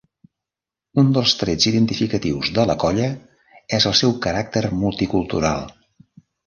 Un dels trets identificatius de la colla és el seu caràcter multicultural.